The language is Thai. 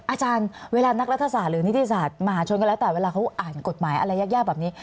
อาจารย์เวลานักรัฐศาสตร์หรือนิติศาสตร์มหาชนก็แล้วแต่เวลาเขาอ่านกฎหมายอะไรยากแบบนี้